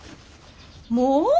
もう？